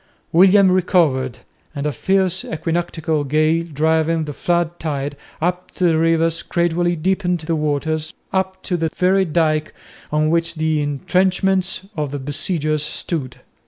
William recovered, and a fierce equinoctial gale driving the flood tide up the rivers gradually deepened the waters up to the very dyke on which the entrenchments of the besiegers stood.